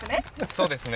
そうですね。